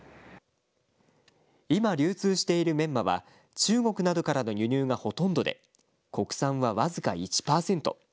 今、流通しているメンマは中国などからの輸入がほとんどで国産は僅か１％。